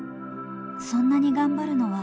そんなに頑張るのはどうして？